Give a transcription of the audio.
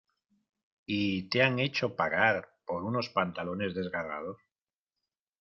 ¿Y te han hecho pagar por unos pantalones desgarrados?